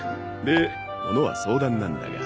でものは相談なんだが。